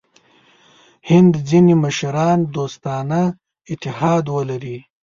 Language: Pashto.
هند ځیني مشران دوستانه اتحاد ولري.